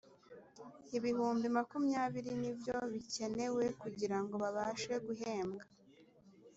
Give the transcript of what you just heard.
ibihumbi makumyabiri nibyo bicyenewe kugira ngo babashe guhembwa